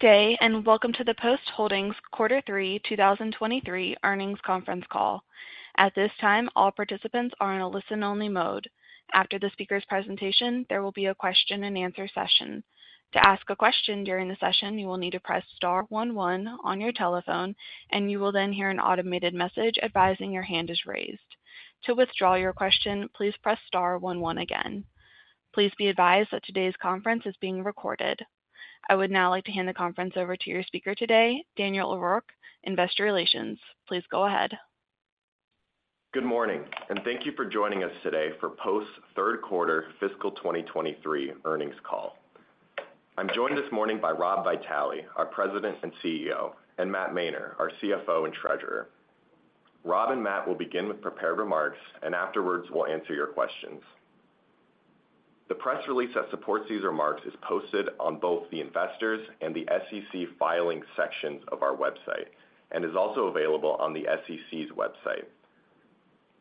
Good day, welcome to the Post Holdings Quarter Three 2023 Earnings Conference Call. At this time, all participants are in a listen-only mode. After the speaker's presentation, there will be a question-and-answer session. To ask a question during the session, you will need to press star 11 on your telephone, and you will then hear an automated message advising your hand is raised. To withdraw your question, please press star 11 again. Please be advised that today's conference is being recorded. I will now like to hand the conference over to your speaker today, Daniel O'Rourke, Investor Relations. Please go ahead. Good morning, thank you for joining us today for Post's Q3 fiscal 2023 earnings call. I'm joined this morning by Rob Vitale, our President and CEO, and Matt Mainer, our CFO and Treasurer. Rob and Matt will begin with prepared remarks, and afterwards, we'll answer your questions. The press release that supports these remarks is posted on both the Investors and the SEC Filing sections of our website and is also available on the SEC's website.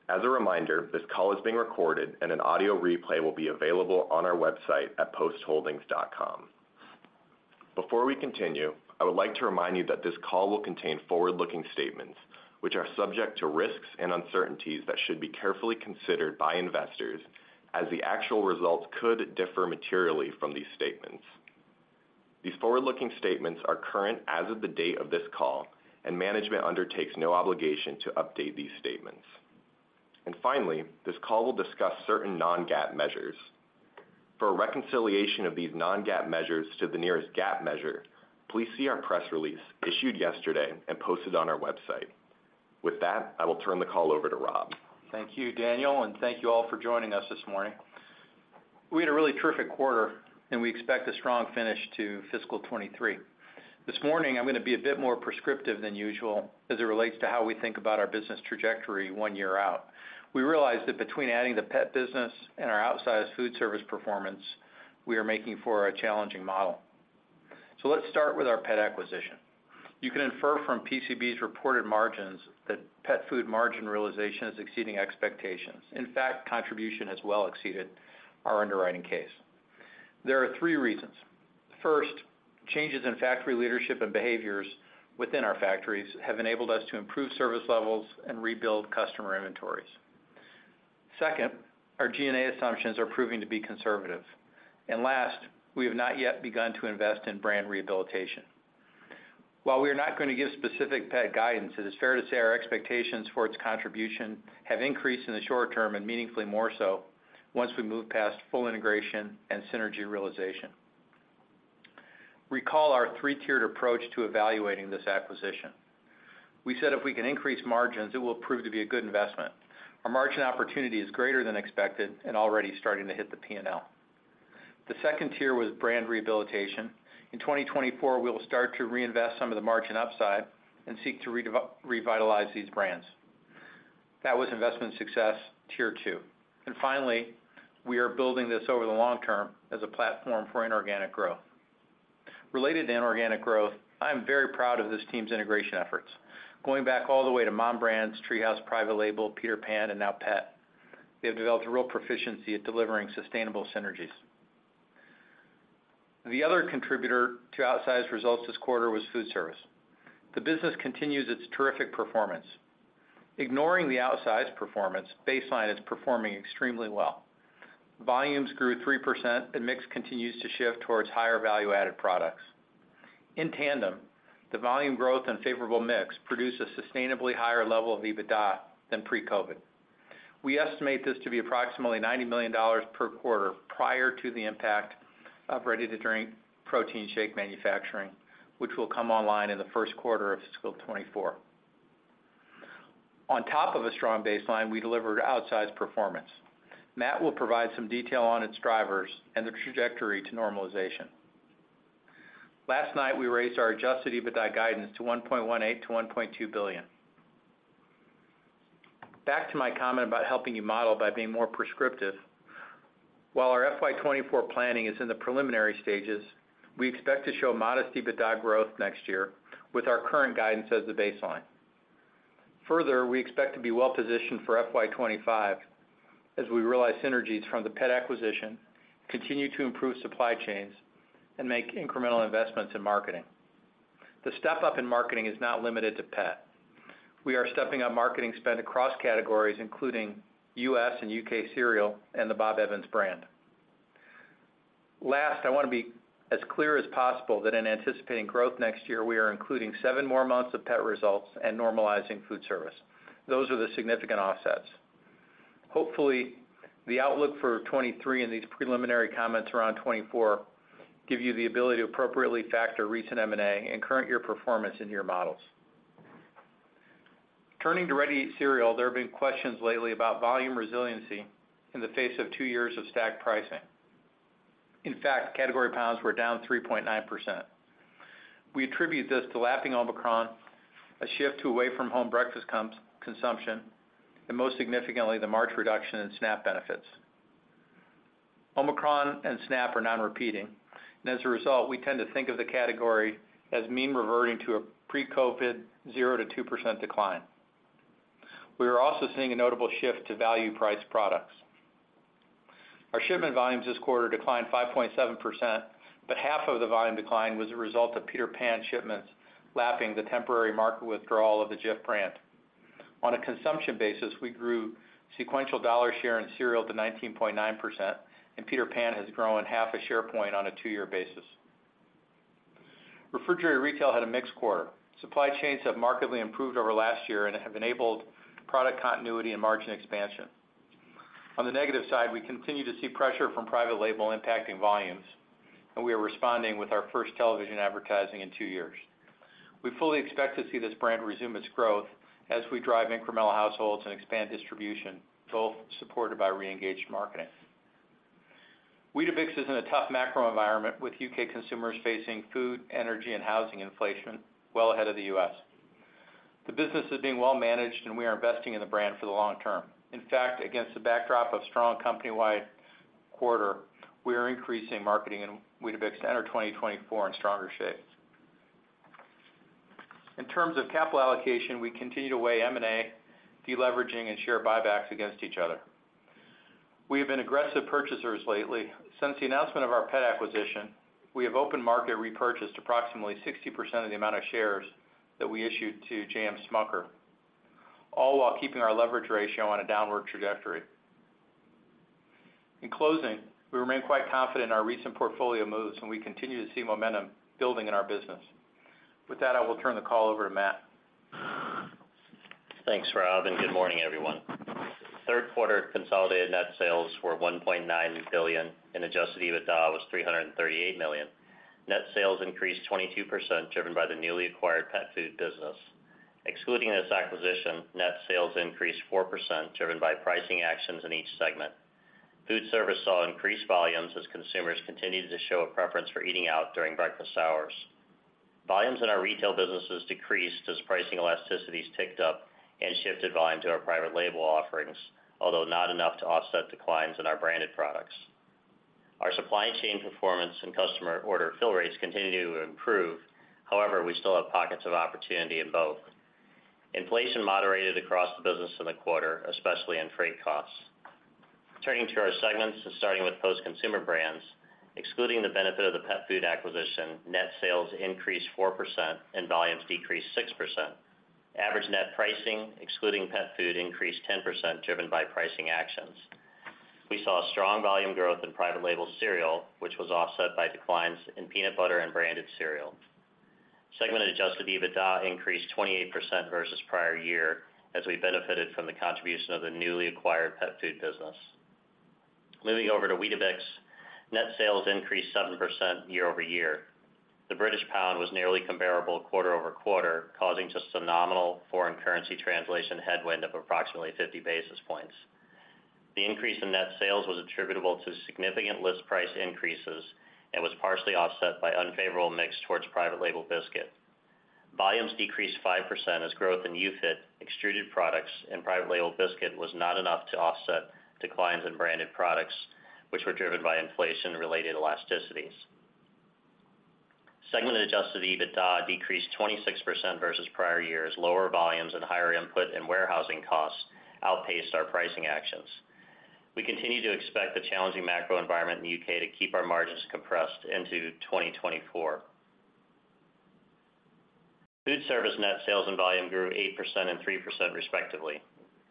As a reminder, this call is being recorded, and an audio replay will be available on our website at postholdings.com. Before we continue, I would like to remind you that this call will contain forward-looking statements, which are subject to risks and uncertainties that should be carefully considered by investors, as the actual results could differ materially from these statements. These forward-looking statements are current as of the date of this call, and management undertakes no obligation to update these statements. Finally, this call will discuss certain non-GAAP measures. For a reconciliation of these non-GAAP measures to the nearest GAAP measure, please see our press release issued yesterday and posted on our website. With that, I will turn the call over to Rob. Thank you, Daniel, and thank you all for joining us this morning. We had a really terrific quarter, and we expect a strong finish to fiscal 2023. This morning, I'm going to be a bit more prescriptive than usual as it relates to how we think about our business trajectory 1 year out. We realize that between adding the pet business and our outsized food service performance, we are making for a challenging model. Let's start with our pet acquisition. You can infer from PCB's reported margins that pet food margin realization is exceeding expectations. In fact, contribution has well exceeded our underwriting case. There are 3 reasons. First, changes in factory leadership and behaviors within our factories have enabled us to improve service levels and rebuild customer inventories. Second, our G&A assumptions are proving to be conservative. Last, we have not yet begun to invest in brand rehabilitation. While we are not going to give specific pet guidance, it is fair to say our expectations for its contribution have increased in the short term and meaningfully more so once we move past full integration and synergy realization. Recall our three-tiered approach to evaluating this acquisition. We said if we can increase margins, it will prove to be a good investment. Our margin opportunity is greater than expected and already starting to hit the P&L. The second tier was brand rehabilitation. In 2024, we will start to reinvest some of the margin upside and seek to revitalize these brands. That was investment success, tier two. Finally, we are building this over the long term as a platform for inorganic growth. Related to inorganic growth, I am very proud of this team's integration efforts. Going back all the way to MOM Brands, TreeHouse, Private Label, Peter Pan, and now Pet, they have developed a real proficiency at delivering sustainable synergies. The other contributor to outsized results this quarter was food service. The business continues its terrific performance. Ignoring the outsized performance, baseline is performing extremely well. Volumes grew 3% and mix continues to shift towards higher value-added products. In tandem, the volume growth and favorable mix produce a sustainably higher level of EBITDA than pre-COVID. We estimate this to be approximately $90 million per quarter prior to the impact of ready-to-drink protein shake manufacturing, which will come online in the Q1 of fiscal 2024. On top of a strong baseline, we delivered outsized performance. Matt will provide some detail on its drivers and the trajectory to normalization. Last night, we raised our adjusted EBITDA guidance to $1.18 billion-$1.2 billion. Back to my comment about helping you model by being more prescriptive. While our FY24 planning is in the preliminary stages, we expect to show modest EBITDA growth next year with our current guidance as the baseline. We expect to be well-positioned for FY25 as we realize synergies from the pet acquisition, continue to improve supply chains, and make incremental investments in marketing. The step-up in marketing is not limited to pet. We are stepping up marketing spend across categories, including US and UK cereal and the Bob Evans brand. I want to be as clear as possible that in anticipating growth next year, we are including seven more months of pet results and normalizing food service. Those are the significant offsets. Hopefully, the outlook for 2023 and these preliminary comments around 2024 give you the ability to appropriately factor recent M&A and current year performance into your models. Turning to ready-to-eat cereal, there have been questions lately about volume resiliency in the face of 2 years of stacked pricing. In fact, category pounds were down 3.9%. We attribute this to lapping Omicron, a shift to away-from-home breakfast consumption, and most significantly, the March reduction in SNAP benefits. Omicron and SNAP are non-repeating, and as a result, we tend to think of the category as mean reverting to a pre-COVID 0%-2% decline. We are also seeing a notable shift to value price products. Our shipment volumes this quarter declined 5.7%, but half of the volume decline was a result of Peter Pan shipments lapping the temporary market withdrawal of the Jif brand. On a consumption basis, we grew sequential dollar share in cereal to 19.9%, and Peter Pan has grown 0.5 share point on a 2-year basis. Refrigerated retail had a mixed quarter. Supply chains have markedly improved over last year and have enabled product continuity and margin expansion. On the negative side, we continue to see pressure from Private Label impacting volumes, and we are responding with our first television advertising in 2 years. We fully expect to see this brand resume its growth as we drive incremental households and expand distribution, both supported by reengaged marketing. Weetabix is in a tough macro environment, with U.K. consumers facing food, energy, and housing inflation well ahead of the U.S. The business is being well managed, and we are investing in the brand for the long term. In fact, against the backdrop of strong company-wide quarter, we are increasing marketing in Weetabix to enter 2024 in stronger shape. In terms of capital allocation, we continue to weigh M&A, deleveraging, and share buybacks against each other. We have been aggressive purchasers lately. Since the announcement of our pet acquisition, we have open market repurchased approximately 60% of the amount of shares that we issued to J.M. Smucker, all while keeping our leverage ratio on a downward trajectory. In closing, we remain quite confident in our recent portfolio moves, and we continue to see momentum building in our business. With that, I will turn the call over to Matt. Thanks, Rob, good morning, everyone. Q3 consolidated net sales were $1.9 billion, and adjusted EBITDA was $338 million. Net sales increased 22%, driven by the newly acquired pet food business. Excluding this acquisition, net sales increased 4%, driven by pricing actions in each segment. Foodservice saw increased volumes as consumers continued to show a preference for eating out during breakfast hours. Volumes in our retail businesses decreased as pricing elasticities ticked up and shifted volume to our Private Label offerings, although not enough to offset declines in our branded products. Our supply chain performance and customer order fill rates continue to improve. However, we still have pockets of opportunity in both. Inflation moderated across the business in the quarter, especially in freight costs. Turning to our segments and starting with Post Consumer Brands, excluding the benefit of the pet food acquisition, net sales increased 4% and volumes decreased 6%. Average net pricing, excluding pet food, increased 10%, driven by pricing actions. We saw strong volume growth in Private Label cereal, which was offset by declines in peanut butter and branded cereal. Segment adjusted EBITDA increased 28% versus prior year as we benefited from the contribution of the newly acquired pet food business. Moving over to Weetabix, net sales increased 7% year-over-year. The British pound was nearly comparable quarter-over-quarter, causing just a nominal foreign currency translation headwind of approximately 50 basis points. The increase in net sales was attributable to significant list price increases and was partially offset by unfavorable mix towards Private Label biscuit. Volumes decreased 5% as growth in UFit extruded products and Private Label biscuit was not enough to offset declines in branded products, which were driven by inflation-related elasticities. Segment adjusted EBITDA decreased 26% versus prior years. Lower volumes and higher input and warehousing costs outpaced our pricing actions. We continue to expect the challenging macro environment in the UK to keep our margins compressed into 2024. Foodservice net sales and volume grew 8% and 3%, respectively.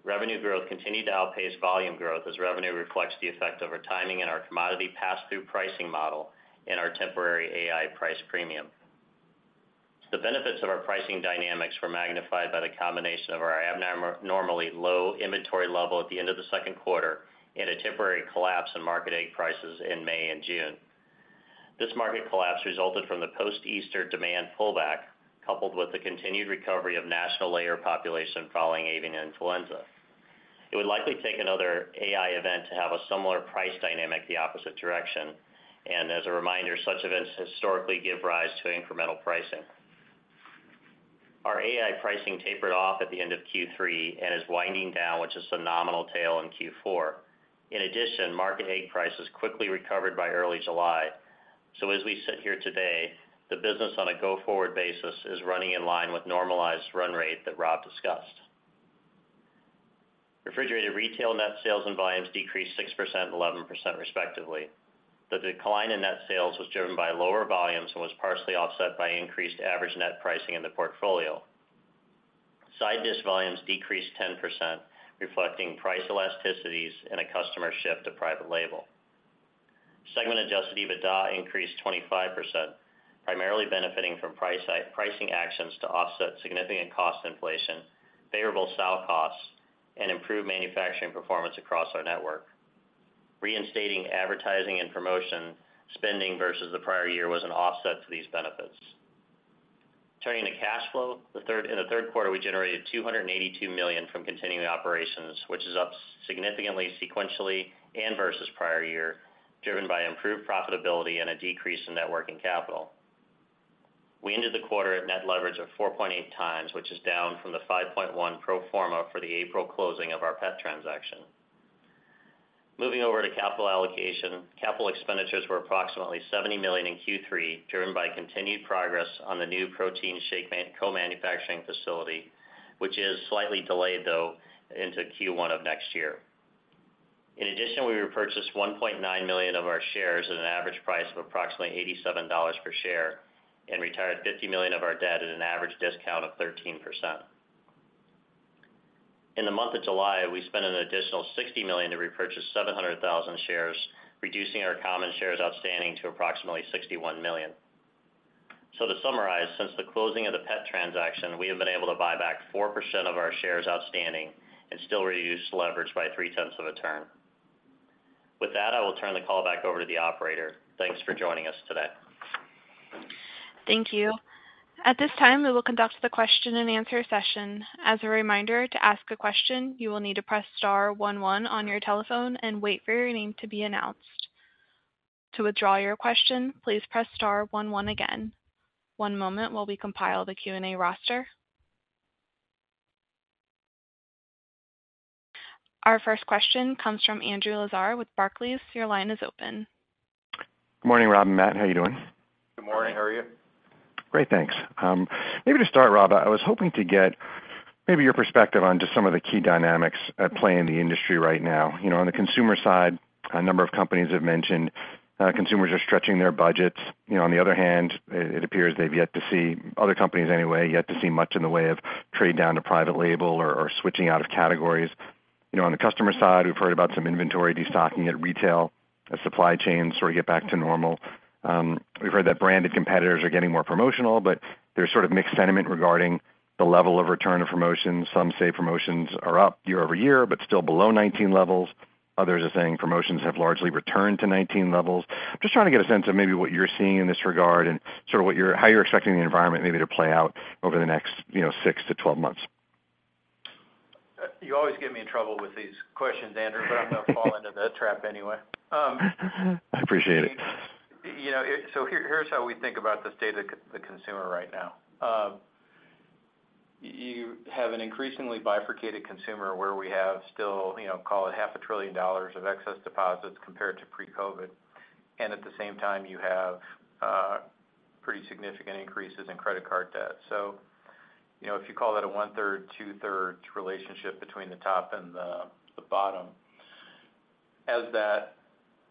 Revenue growth continued to outpace volume growth as revenue reflects the effect of our timing and our commodity pass-through pricing model and our temporary AI price premium. The benefits of our pricing dynamics were magnified by the combination of our abnormally low inventory level at the end of the Q2 and a temporary collapse in market egg prices in May and June. This market collapse resulted from the post-Easter demand pullback, coupled with the continued recovery of national layer population following avian influenza. It would likely take another AI event to have a similar price dynamic the opposite direction. As a reminder, such events historically give rise to incremental pricing. Our AI pricing tapered off at the end of Q3 and is winding down, which is a nominal tail in Q4. In addition, market egg prices quickly recovered by early July. As we sit here today, the business on a go-forward basis is running in line with normalized run rate that Rob discussed. Refrigerated retail net sales and volumes decreased 6% and 11%, respectively. The decline in net sales was driven by lower volumes and was partially offset by increased average net pricing in the portfolio. side dish volumes decreased 10%, reflecting price elasticities and a customer shift to Private Label. Segment adjusted EBITDA increased 25%, primarily benefiting from pricing actions to offset significant cost inflation, favorable style costs, and improved manufacturing performance across our network. Reinstating advertising and promotion spending versus the prior year was an offset to these benefits. Turning to cash flow, in the Q3, we generated $282 million from continuing operations, which is up significantly, sequentially and versus prior year, driven by improved profitability and a decrease in net working capital. We ended the quarter at net leverage of 4.8 times, which is down from the 5.1 pro forma for the April closing of our pet transaction. Moving over to capital allocation. Capital expenditures were approximately $70 million in Q3, driven by continued progress on the new protein shake co-manufacturing facility,... which is slightly delayed, though, into Q1 of next year. In addition, we repurchased $1.9 million of our shares at an average price of approximately $87 per share and retired $50 million of our debt at an average discount of 13%. In the month of July, we spent an additional $60 million to repurchase 700,000 shares, reducing our common shares outstanding to approximately 61 million. To summarize, since the closing of the pet transaction, we have been able to buy back 4% of our shares outstanding and still reduce leverage by three-tenths of a turn. With that, I will turn the call back over to the operator. Thanks for joining us today. Thank you. At this time, we will conduct the question and answer session. As a reminder, to ask a question, you will need to press star one, one on your telephone and wait for your name to be announced. To withdraw your question, please press star one, one again. One moment while we compile the Q&A roster. Our first question comes from Andrew Lazar with Barclays. Your line is open. Good morning, Rob and Matt, how are you doing? Good morning, how are you? Great, thanks. Maybe to start, Rob, I was hoping to get maybe your perspective on just some of the key dynamics at play in the industry right now. You know, on the consumer side, a number of companies have mentioned, consumers are stretching their budgets. You know, on the other hand, it, it appears they've yet to see, other companies anyway, yet to see much in the way of trade down to Private Label or, or switching out of categories. You know, on the customer side, we've heard about some inventory destocking at retail, as supply chains sort of get back to normal. We've heard that branded competitors are getting more promotional, but there's sort of mixed sentiment regarding the level of return of promotions. Some say promotions are up year-over-year, but still below 2019 levels. Others are saying promotions have largely returned to 19 levels. I'm just trying to get a sense of maybe what you're seeing in this regard and sort of how you're expecting the environment maybe to play out over the next, you know, 6 to 12 months. You always get me in trouble with these questions, Andrew, I'm gonna fall into the trap anyway. I appreciate it. You know, here, here's how we think about the state of the consumer right now. You have an increasingly bifurcated consumer, where we have still, you know, call it $500 billion of excess deposits compared to pre-COVID. At the same time, you have pretty significant increases in credit card debt. You know, if you call that a 1/3, 2/3 relationship between the top and the, the bottom, as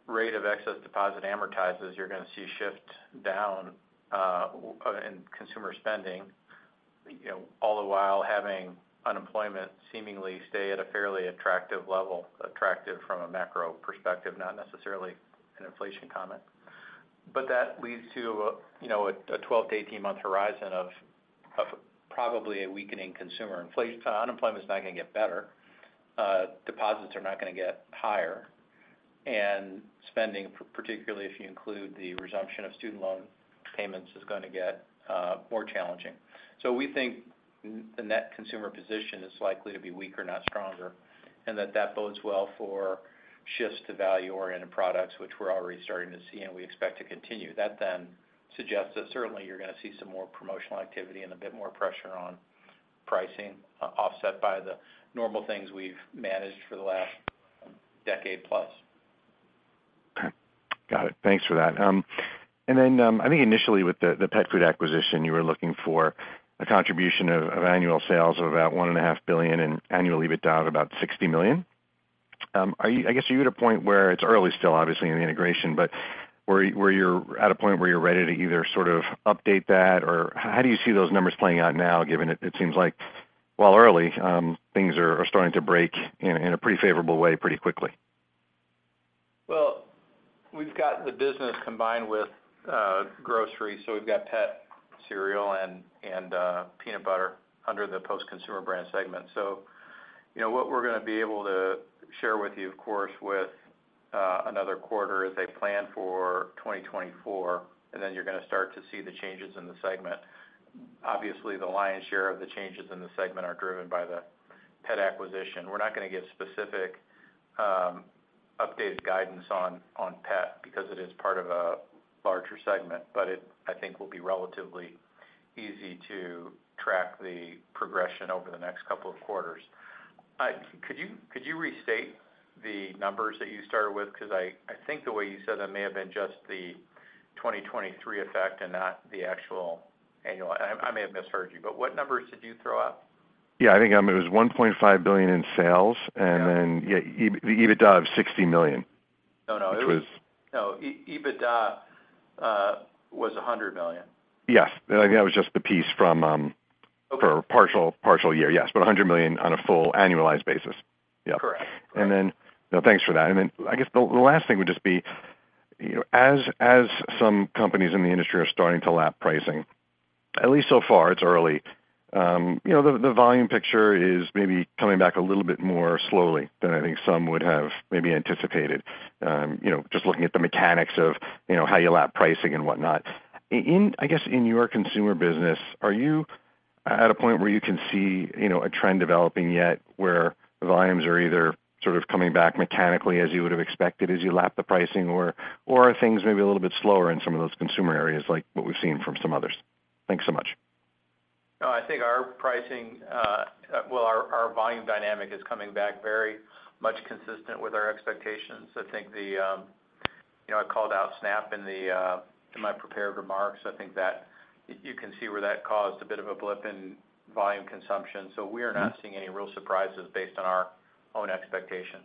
that rate of excess deposit amortizes, you're gonna see a shift down in consumer spending, you know, all the while having unemployment seemingly stay at a fairly attractive level, attractive from a macro perspective, not necessarily an inflation comment. That leads to a, you know, 12-18 month horizon of probably a weakening consumer. Inflation, unemployment is not gonna get better, deposits are not gonna get higher, and spending, particularly if you include the resumption of student loan payments, is gonna get more challenging. We think the net consumer position is likely to be weaker, not stronger, and that that bodes well for shifts to value-oriented products, which we're already starting to see, and we expect to continue. That then suggests that certainly you're gonna see some more promotional activity and a bit more pressure on pricing, offset by the normal things we've managed for the last decade plus. Okay. Got it. Thanks for that. I think initially with the pet food acquisition, you were looking for a contribution of annual sales of about $1.5 billion and annual EBITDA of about $60 million. Are you-- I guess, are you at a point where it's early still, obviously, in the integration, but where, where you're at a point where you're ready to either sort of update that, or how do you see those numbers playing out now, given it, it seems like, while early, things are starting to break in, in a pretty favorable way pretty quickly? We've got the business combined with grocery, we've got pet cereal and peanut butter under the Post Consumer Brands segment. You know what we're gonna be able to share with you, of course, with another quarter, is a plan for 2024, and then you're gonna start to see the changes in the segment. Obviously, the lion's share of the changes in the segment are driven by the pet acquisition. We're not gonna give specific updated guidance on pet because it is part of a larger segment, but it, I think, will be relatively easy to track the progression over the next couple of quarters. Could you restate the numbers that you started with? Because I think the way you said that may have been just the 2023 effect and not the actual annual. I, I may have misheard you, but what numbers did you throw out? I think it was $1.5 billion in sales. Yeah. yeah, the EBITDA of $60 million. No, no. Which was- No, EBITDA, was $100 million. Yes, I think that was just the piece from. Okay... for partial, partial year, yes, but $100 million on a full annualized basis. Yeah. Correct. No, thanks for that. I guess the, the last thing would just be, you know, as, as some companies in the industry are starting to lap pricing, at least so far, it's early, you know, the, the volume picture is maybe coming back a little bit more slowly than I think some would have maybe anticipated. You know, just looking at the mechanics of, you know, how you lap pricing and whatnot. In, I guess, in your consumer business, are you at a point where you can see, you know, a trend developing yet where volumes are either sort of coming back mechanically as you would have expected as you lap the pricing, or, or are things maybe a little bit slower in some of those consumer areas, like what we've seen from some others? Thanks so much. No, I think our pricing, well, our, our volume dynamic is coming back very much consistent with our expectations. I think the... You know, I called out SNAP in my prepared remarks. I think that you can see where that caused a bit of a blip in volume consumption, so we are not seeing any real surprises based on our own expectations.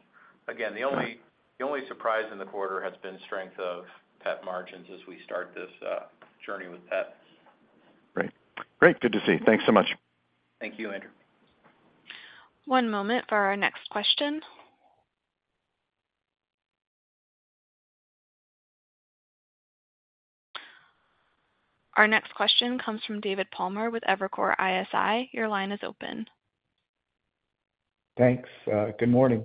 Again, the only, the only surprise in the quarter has been strength of pet margins as we start this journey with pet. Great. Great, good to see you. Thanks so much. Thank you, Andrew. One moment for our next question. Our next question comes from David Palmer with Evercore ISI. Your line is open. Thanks. Good morning.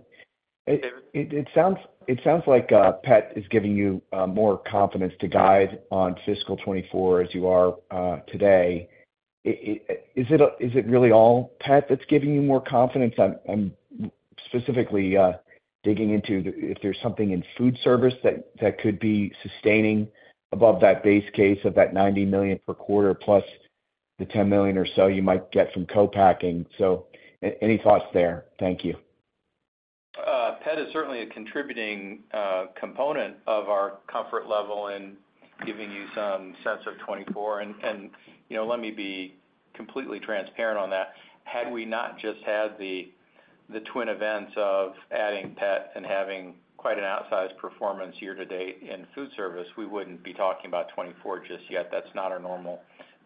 Hey, David. It, it sounds, it sounds like pet is giving you more confidence to guide on FY24 as you are today. Is it, is it really all pet that's giving you more confidence? I'm, I'm specifically digging into if there's something in Foodservice that, that could be sustaining above that base case of that $90 million per quarter plus the $10 million or so you might get from co-packing. Any thoughts there? Thank you. Pet is certainly a contributing component of our comfort level in giving you some sense of 2024. You know, let me be completely transparent on that. Had we not just had the, the twin events of adding pet and having quite an outsized performance year to date in Foodservice, we wouldn't be talking about 2024 just yet. That's not our normal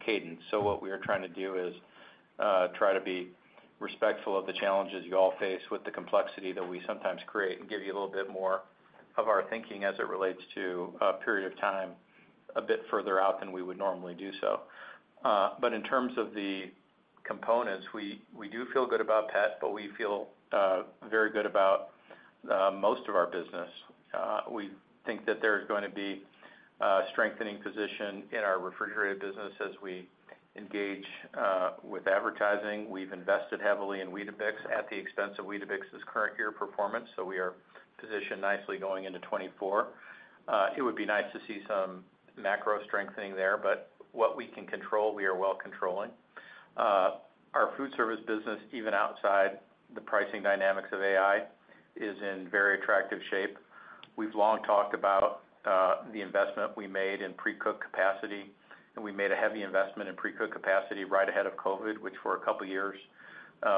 cadence. What we are trying to do is, try to be respectful of the challenges you all face with the complexity that we sometimes create and give you a little bit more of our thinking as it relates to a period of time, a bit further out than we would normally do so. In terms of the components, we, we do feel good about pet, but we feel very good about most of our business. We think that there's going to be a strengthening position in our refrigerated business as we engage with advertising. We've invested heavily in Weetabix at the expense of Weetabix's current year performance. We are positioned nicely going into 2024. It would be nice to see some macro strengthening there. What we can control, we are well controlling. Our Foodservice business, even outside the pricing dynamics of AI, is in very attractive shape. We've long talked about the investment we made in pre-cook capacity. We made a heavy investment in pre-cook capacity right ahead of COVID, which for a couple of years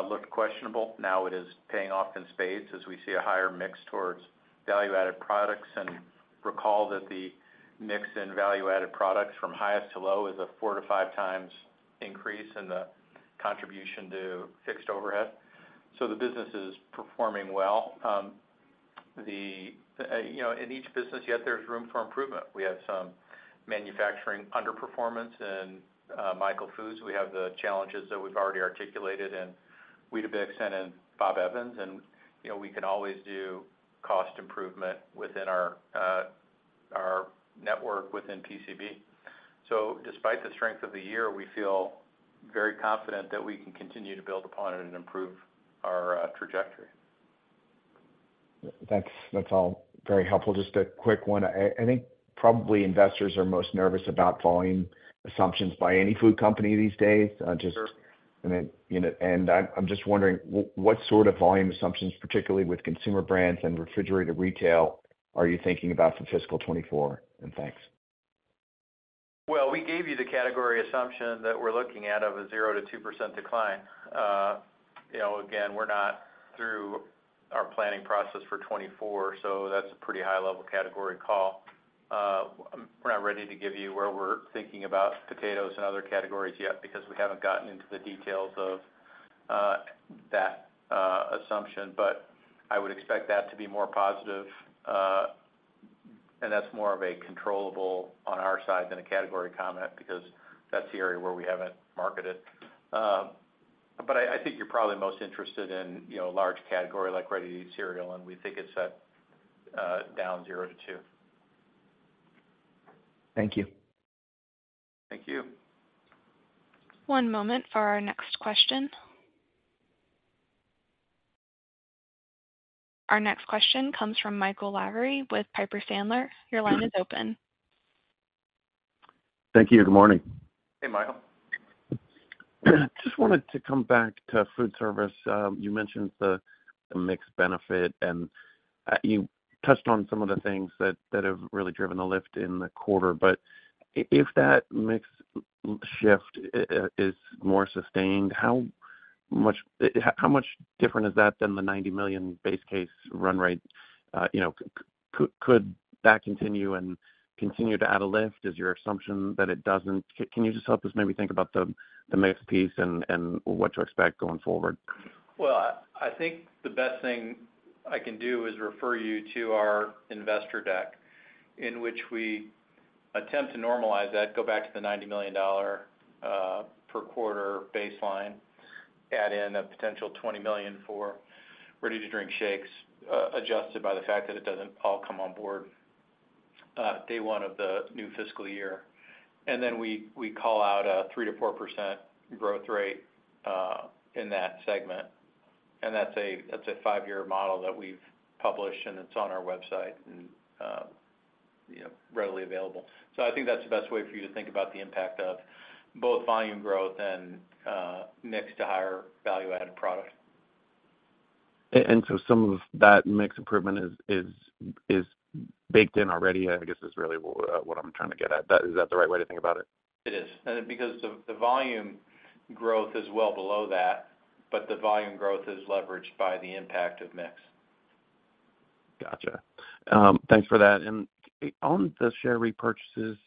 looked questionable. Now it is paying off in spades as we see a higher mix towards value-added products and recall that the mix in value-added products from highest to low is a 4 to 5 times increase in the contribution to fixed overhead. The business is performing well. The, you know, in each business, yet there's room for improvement. We have some manufacturing underperformance in Michael Foods. We have the challenges that we've already articulated in Weetabix and in Bob Evans, and, you know, we can always do cost improvement within our network within PCB. Despite the strength of the year, we feel very confident that we can continue to build upon it and improve our trajectory. That's, that's all very helpful. Just a quick one. I, I think probably investors are most nervous about volume assumptions by any food company these days. Sure. You know, I'm just wondering, what sort of volume assumptions, particularly with Consumer Brands and refrigerated retail, are you thinking about for fiscal 2024? Thanks. We gave you the category assumption that we're looking at of a 0%-2% decline. You know, again, we're not through our planning process for 2024, so that's a pretty high-level category call. We're not ready to give you where we're thinking about potatoes and other categories yet, because we haven't gotten into the details of that assumption, but I would expect that to be more positive, and that's more of a controllable on our side than a category comment, because that's the area where we haven't marketed. I think you're probably most interested in, you know, a large category like ready-to-eat cereal, and we think it's set down 0%-2%. Thank you. Thank you. One moment for our next question. Our next question comes from Michael Lavery with Piper Sandler. Your line is open. Thank you, good morning. Hey, Michael. Just wanted to come back to Foodservice. You mentioned the, the mixed benefit, and you touched on some of the things that, that have really driven the lift in the quarter. If that mix shift is more sustained, how much different is that than the $90 million base case run rate? You know, could that continue and continue to add a lift? Is your assumption that it doesn't? Can you just help us maybe think about the, the mix piece and, and what to expect going forward? Well, I think the best thing I can do is refer you to our investor deck, in which we attempt to normalize that, go back to the $90 million per quarter baseline, add in a potential $20 million for ready-to-drink shakes, adjusted by the fact that it doesn't all come on board day one of the new fiscal year. Then we, we call out a 3%-4% growth rate in that segment, and that's a, that's a 5-year model that we've published, and it's on our website and, you know, readily available. I think that's the best way for you to think about the impact of both volume growth and mix to higher value-added product. so some of that mix improvement is baked in already, I guess, is really what I'm trying to get at. Is that the right way to think about it? It is. Because the volume growth is well below that, but the volume growth is leveraged by the impact of mix. Gotcha. Thanks for that. On the share repurchases,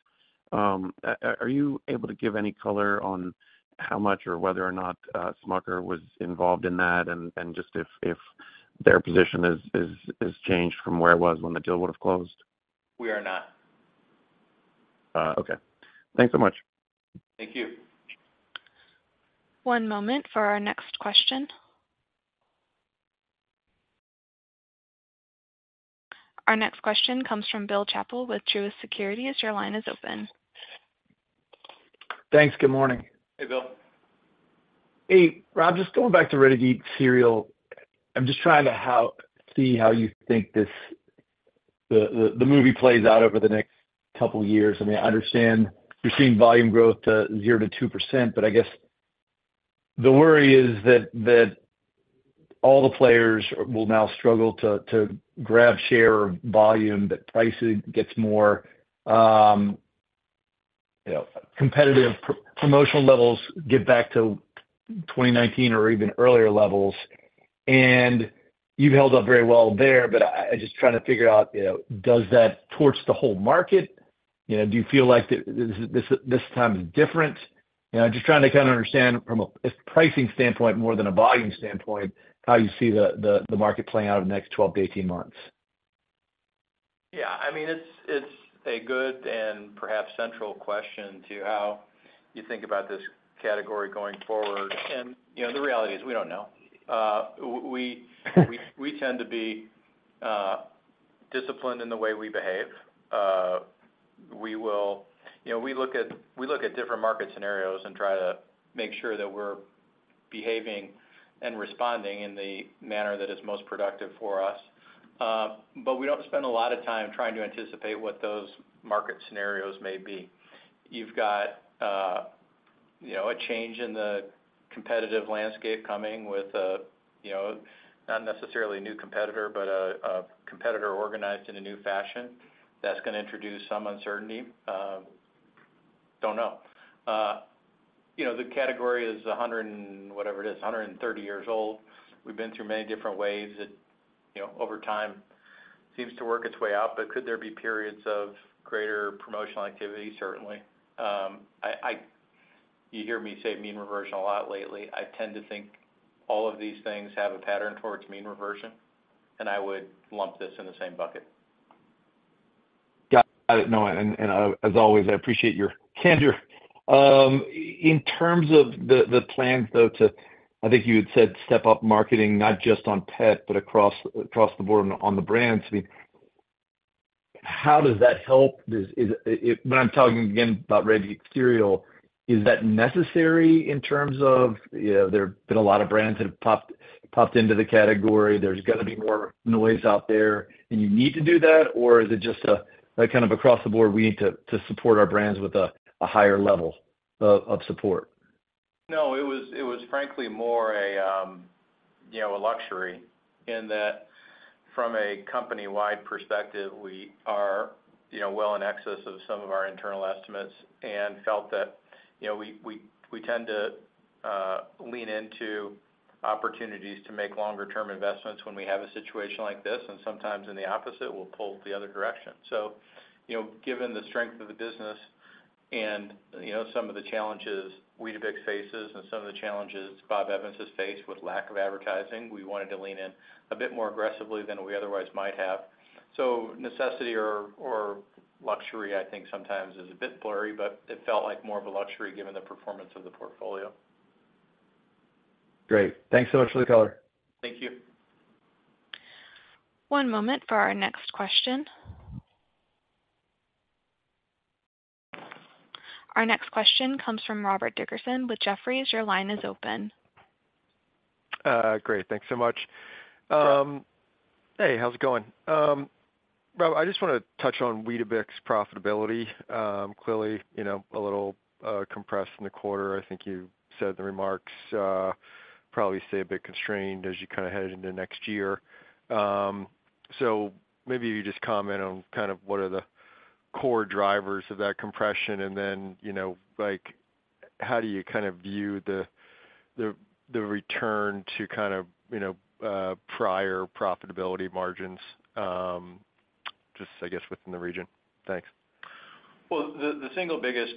are you able to give any color on how much or whether or not Smucker was involved in that? And just if their position is changed from where it was when the deal would have closed? We are not. Okay. Thanks so much. Thank you. One moment for our next question. Our next question comes from Bill Chappell with Truist Securities. Your line is open. Thanks. Good morning. Hey, Bill. Hey, Rob, just going back to ready-to-eat cereal, I'm just trying to see how you think this movie plays out over the next couple of years. I mean, I understand you're seeing volume growth, 0%-2%, but I guess the worry is that all the players will now struggle to grab share of volume, that pricing gets more, you know, competitive, promotional levels get back to 2019 or even earlier levels. You've held up very well there, but I just trying to figure out, you know, does that torch the whole market? You know, do you feel like this time is different? You know, I'm just trying to kind of understand from a, a pricing standpoint, more than a volume standpoint, how you see the, the, the market playing out in the next 12-18 months. Yeah, I mean, it's, it's a good and perhaps central question to how you think about this category going forward. You know, the reality is, we don't know. We, we tend to be disciplined in the way we behave. You know, we look at, we look at different market scenarios and try to make sure that we're behaving and responding in the manner that is most productive for us. We don't spend a lot of time trying to anticipate what those market scenarios may be. You've got, you know, a change in the competitive landscape coming with a, you know, not necessarily a new competitor, but a, a competitor organized in a new fashion that's going to introduce some uncertainty, don't know. you know, the category is 100 and whatever it is, 130 years old. We've been through many different waves. It, you know, over time, seems to work its way out, but could there be periods of greater promotional activity? Certainly. I, I, you hear me say mean reversion a lot lately. I tend to think all of these things have a pattern towards mean reversion, and I would lump this in the same bucket. Got it. No, and as always, I appreciate your candor. In terms of the plans, though, to, I think you had said, step up marketing, not just on pet, but across, across the board on the brands. I mean, how does that help? Does, but I'm talking again about ready-to-eat cereal. Is that necessary in terms of, you know, there have been a lot of brands that have popped, popped into the category, there's going to be more noise out there, and you need to do that, or is it just a, a kind of across the board, we need to, to support our brands with a, a higher level of support? No, it was, it was frankly more a, you know, a luxury in that from a company-wide perspective, we are, you know, well in excess of some of our internal estimates and felt that, you know, we, we, we tend to lean into opportunities to make longer term investments when we have a situation like this, and sometimes in the opposite, we'll pull the other direction. You know, given the strength of the business and, you know, some of the challenges Weetabix faces and some of the challenges Bob Evans has faced with lack of advertising, we wanted to lean in a bit more aggressively than we otherwise might have. Necessity or, or luxury, I think sometimes is a bit blurry, but it felt like more of a luxury given the performance of the portfolio. Great. Thanks so much for the color. Thank you. One moment for our next question. Our next question comes from Robert Dickerson with Jefferies. Your line is open. Great. Thanks so much. Sure. Hey, how's it going? Rob, I just want to touch on Weetabix profitability. Clearly, you know, a little compressed in the quarter. I think you said the remarks, probably stay a bit constrained as you kind of head into next year. Maybe you just comment on kind of what are the core drivers of that compression, and then, you know, like, how do you kind of view the, the, the return to kind of, you know, prior profitability margins, just, I guess, within the region? Thanks. Well, the single biggest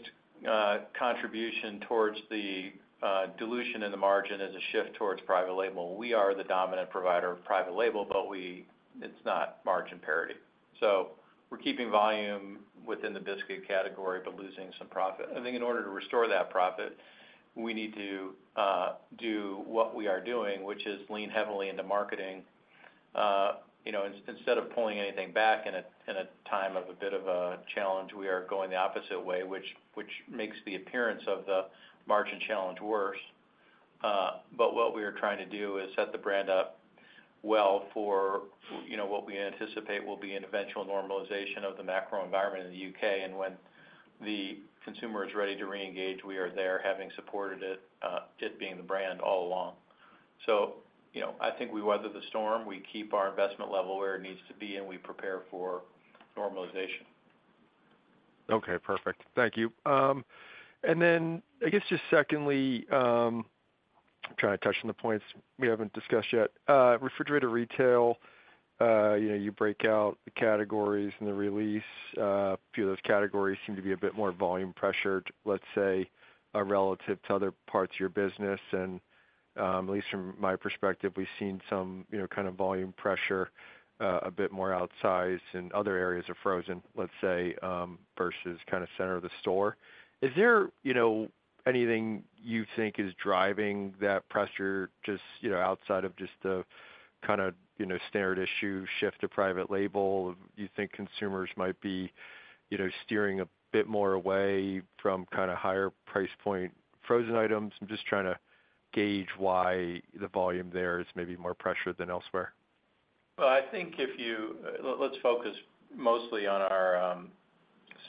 contribution towards the dilution in the margin is a shift towards Private Label. We are the dominant provider of Private Label, but we, it's not margin parity. We're keeping volume within the biscuit category, but losing some profit. I think in order to restore that profit, we need to do what we are doing, which is lean heavily into marketing. You know, instead of pulling anything back in a, in a time of a bit of a challenge, we are going the opposite way, which makes the appearance of the margin challenge worse. What we are trying to do is set the brand up well. You know, what we anticipate will be an eventual normalization of the macro environment in the UK. When the consumer is ready to reengage, we are there, having supported it, it being the brand all along. You know, I think we weather the storm, we keep our investment level where it needs to be, and we prepare for normalization. Okay, perfect. Thank you. I guess just secondly, I'm trying to touch on the points we haven't discussed yet. Refrigerator retail, you know, you break out the categories in the release. A few of those categories seem to be a bit more volume pressured, let's say, relative to other parts of your business. At least from my perspective, we've seen some, you know, kind of volume pressure, a bit more outsized in other areas of frozen, let's say, versus kind of center of the store. Is there, you know, anything you think is driving that pressure, just, you know, outside of just the kind of, you know, standard issue shift to Private Label? Do you think consumers might be, you know, steering a bit more away from kind of higher price point frozen items? I'm just trying to gauge why the volume there is maybe more pressured than elsewhere. Well, I think let's focus mostly on our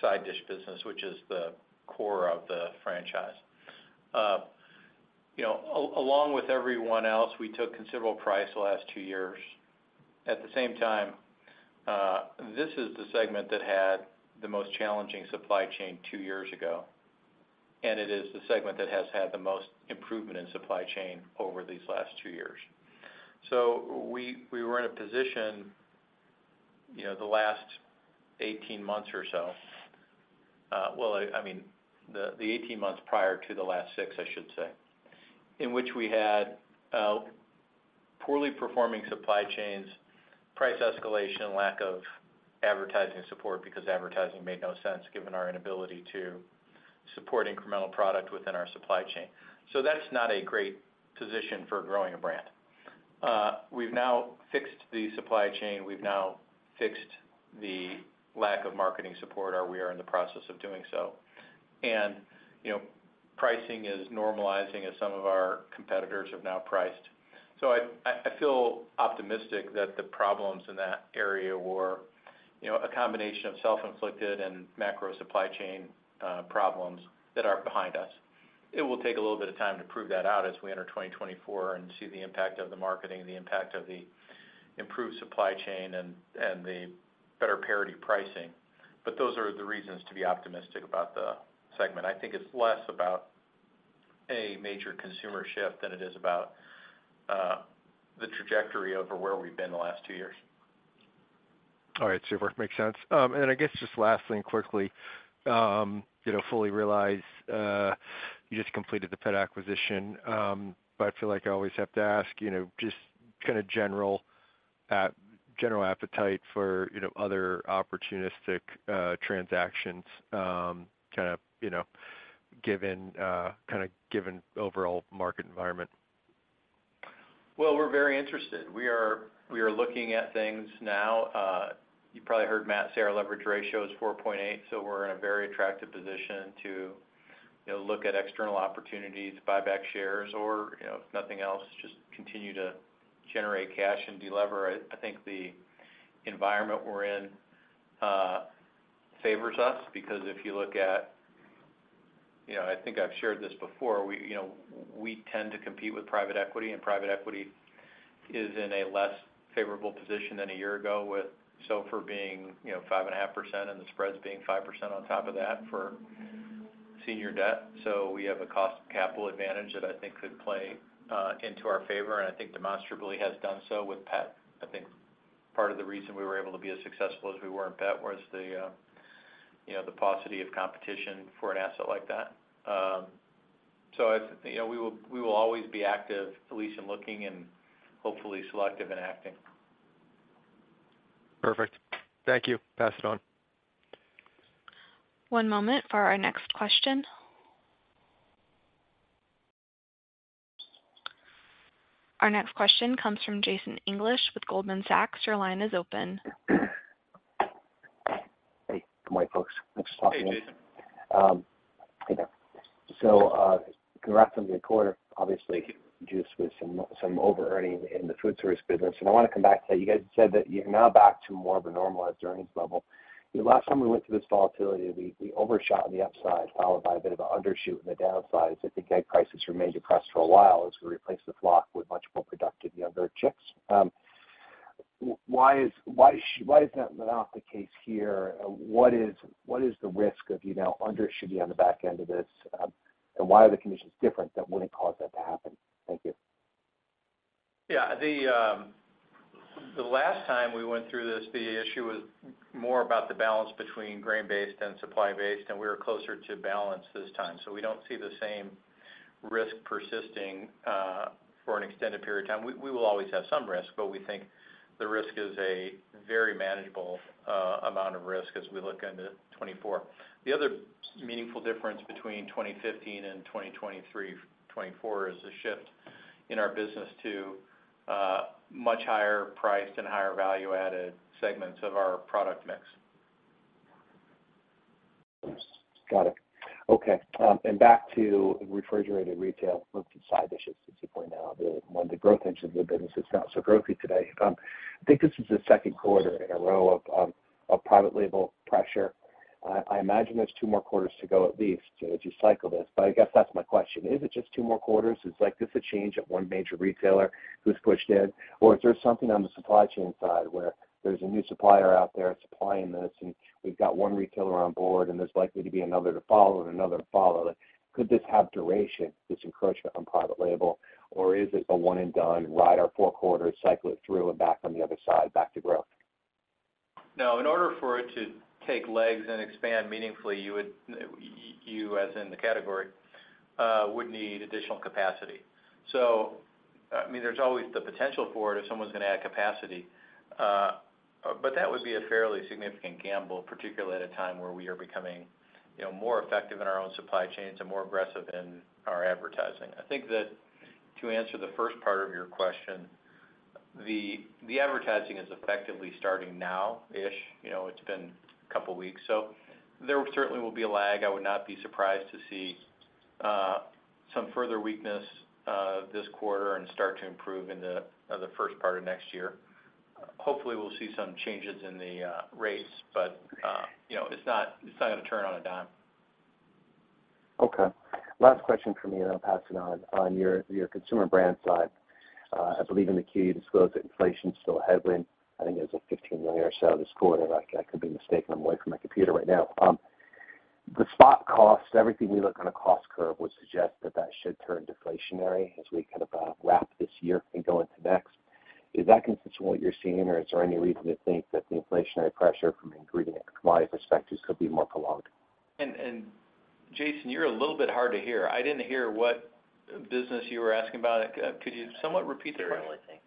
side dish business, which is the core of the franchise. You know, along with everyone else, we took considerable price the last two years. At the same time, this is the segment that had the most challenging supply chain two years ago, and it is the segment that has had the most improvement in supply chain over these last two years. We, we were in a position, you know, the last 18 months or so, well, I mean, the 18 months prior to the last six, I should say, in which we had poorly performing supply chains, price escalation, and lack of advertising support because advertising made no sense given our inability to support incremental product within our supply chain. That's not a great position for growing a brand. We've now fixed the supply chain. We've now fixed the lack of marketing support, or we are in the process of doing so. You know, pricing is normalizing as some of our competitors have now priced. I, I, I feel optimistic that the problems in that area were, you know, a combination of self-inflicted and macro supply chain problems that are behind us. It will take a little bit of time to prove that out as we enter 2024 and see the impact of the marketing, the impact of the improved supply chain and, and the better parity pricing. Those are the reasons to be optimistic about the segment. I think it's less about a major consumer shift than it is about the trajectory over where we've been the last 2 years. All right, super, makes sense. And then I guess just lastly and quickly, you know, fully realize, you just completed the pet acquisition, but I feel like I always have to ask, you know, just kind of general appetite for, you know, other opportunistic, transactions, kind of, you know, given, kind of given overall market environment. Well, we're very interested. We are, we are looking at things now. You probably heard Matt Mainer say our leverage ratio is 4.8, so we're in a very attractive position to, you know, look at external opportunities, buy back shares, or, you know, if nothing else, just continue to generate cash and delever. I, I think the environment we're in favors us because if you look at. You know, I think I've shared this before, we, you know, we tend to compete with private equity, and private equity is in a less favorable position than a year ago, with SOFR being, you know, 5.5%, and the spreads being 5% on top of that for senior debt. We have a cost capital advantage that I think could play into our favor, and I think demonstrably has done so with Pet. I think part of the reason we were able to be as successful as we were in Pet was the, you know, the paucity of competition for an asset like that. You know, we will, we will always be active, at least in looking and hopefully selective in acting. Perfect. Thank you. Pass it on. One moment for our next question. Our next question comes from Jason English with Goldman Sachs. Your line is open. Hey, good morning, folks. Thanks for talking. Hey, Jason. Hey there. Congrats on the quarter, obviously just with some, some overearning in the Foodservice business. I want to come back to that. You guys said that you're now back to more of a normalized earnings level. The last time we went through this volatility, we, we overshot on the upside, followed by a bit of an undershoot on the downside, as the egg prices remained depressed for a while as we replaced the flock with much more productive younger chicks. Why is that not the case here? What is, what is the risk of, you know, undershooting on the back end of this? Why are the conditions different that wouldn't cause that to happen? Thank you. Yeah, the last time we went through this, the issue was more about the balance between grain-based and supply-based, and we were closer to balance this time. We don't see the same risk persisting for an extended period of time. We, we will always have some risk, but we think the risk is a very manageable amount of risk as we look into 2024. The other meaningful difference between 2015 and 2023, 2024, is the shift in our business to much higher priced and higher value-added segments of our product mix.... Got it. Okay, and back to refrigerated retail with side dishes, as you point out, the, one of the growth engines of the business is not so growthy today. I think this is the Q2 in a row of Private Label pressure. I imagine there's 2 more quarters to go, at least, to cycle this, but I guess that's my question: Is it just 2 more quarters? Is, like, this a change at one major retailer who's pushed in? Or is there something on the supply chain side where there's a new supplier out there supplying this, and we've got one retailer on board, and there's likely to be another to follow and another to follow? Could this have duration, this encroachment on Private Label, or is it a one and done, ride our four quarters, cycle it through and back on the other side, back to growth? In order for it to take legs and expand meaningfully, you would, as in the category, need additional capacity. I mean, there's always the potential for it if someone's gonna add capacity, but that would be a fairly significant gamble, particularly at a time where we are becoming, you know, more effective in our own supply chains and more aggressive in our advertising. I think that to answer the first part of your question, the advertising is effectively starting now-ish. You know, it's been a couple weeks, there certainly will be a lag. I would not be surprised to see some further weakness this quarter and start to improve in the first part of next year. Hopefully, we'll see some changes in the rates, but, you know, it's not, it's not gonna turn on a dime. Okay. Last question for me, and I'll pass it on. On your, your consumer brand side, I believe in the key, you disclosed that inflation's still a headwind. I think it was a $15 million or so this quarter. I, I could be mistaken. I'm away from my computer right now. The spot costs, everything we look on a cost curve, would suggest that that should turn deflationary as we kind of wrap this year and go into next. Is that consistent with what you're seeing, or is there any reason to think that the inflationary pressure from an ingredient commodity perspectives could be more prolonged? Jason, you're a little bit hard to hear. I didn't hear what business you were asking about. Could you somewhat repeat the question?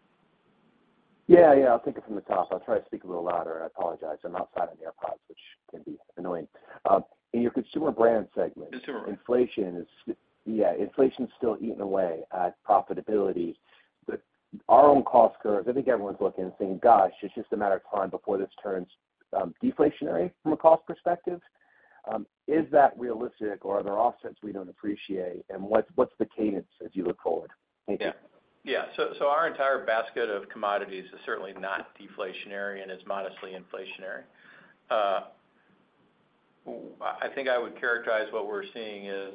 Yeah, yeah, I'll take it from the top. I'll try to speak a little louder. I apologize. I'm outside on the AirPods, which can be annoying. In your consumer brand segment- Consumer inflation is, yeah, inflation is still eating away at profitability, but our own cost curves, I think everyone's looking and saying, "Gosh, it's just a matter of time before this turns, deflationary from a cost perspective." Is that realistic, or are there offsets we don't appreciate, and what's, what's the cadence as you look forward? Thank you. Yeah. Yeah, our entire basket of commodities is certainly not deflationary and is modestly inflationary. I think I would characterize what we're seeing as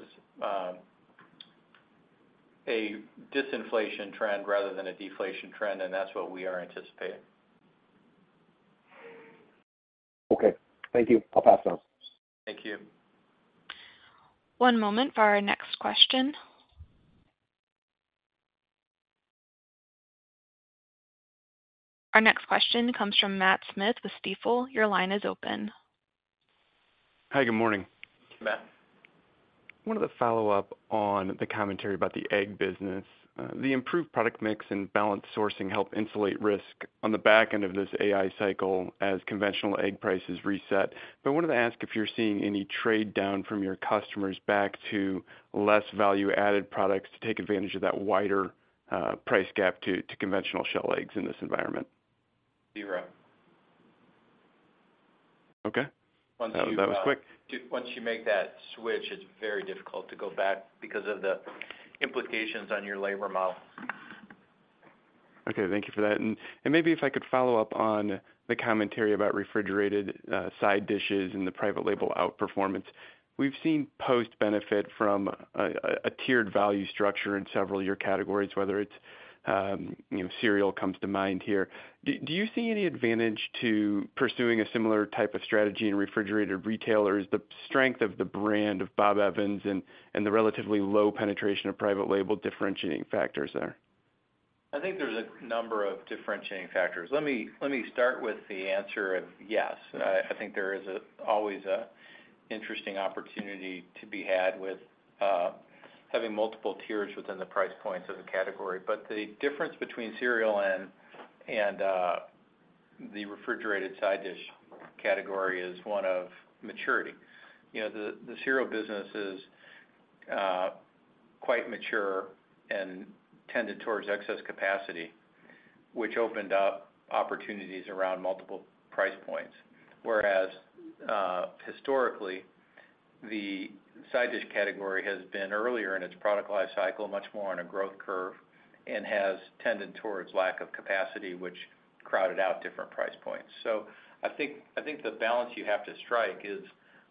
a disinflation trend rather than a deflation trend, and that's what we are anticipating. Okay. Thank you. I'll pass it on. Thank you. One moment for our next question. Our next question comes from Matt Smith with Stifel. Your line is open. Hi, good morning. Matt. Wanted to follow up on the commentary about the egg business. The improved product mix and balance sourcing help insulate risk on the back end of this AI cycle as conventional egg prices reset. I wanted to ask if you're seeing any trade-down from your customers back to less value-added products to take advantage of that wider price gap to conventional shell eggs in this environment? Zero. Okay. Once you- That was quick. Once you make that switch, it's very difficult to go back because of the implications on your labor model. Okay, thank you for that. Maybe if I could follow up on the commentary about refrigerated side dishes and the Private Label outperformance. We've seen Post benefit from a, a, a tiered value structure in several of your categories, whether it's, you know, cereal comes to mind here. Do, do you see any advantage to pursuing a similar type of strategy in refrigerated retailers? The strength of the brand of Bob Evans and, and the relatively low penetration of Private Label differentiating factors there. I think there's a number of differentiating factors. Let me start with the answer of yes. I think there is always an interesting opportunity to be had with having multiple tiers within the price points of the category. The difference between cereal and the refrigerated side dish category is one of maturity. You know, the cereal business is quite mature and tended towards excess capacity, which opened up opportunities around multiple price points. Whereas historically, the side dish category has been earlier in its product life cycle, much more on a growth curve, and has tended towards lack of capacity, which crowded out different price points. I think, I think the balance you have to strike is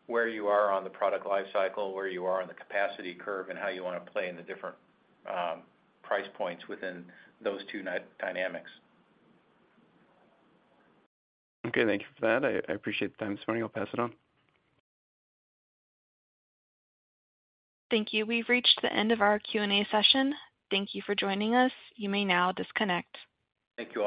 where you are on the product life cycle, where you are on the capacity curve, and how you wanna play in the different price points within those two dynamics. Okay, thank you for that. I, I appreciate the time this morning. I'll pass it on. Thank you. We've reached the end of our Q&A session. Thank you for joining us. You may now disconnect. Thank you all.